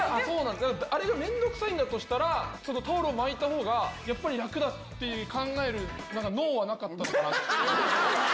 あれが面倒くさいんだとしたら、ちょっとタオルを巻いたほうが、やっぱり楽だって考える脳はなかったのかと。